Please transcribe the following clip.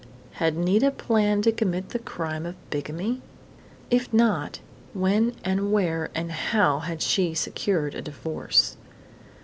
Had Nita planned to commit the crime of bigamy? If not, when and where and how had she secured a divorce?